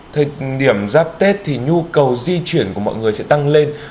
thời điểm giáp tết thì nhu cầu di chuyển của mọi người sẽ tăng lên